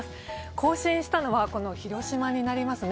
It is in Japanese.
更新したのは広島になりますね。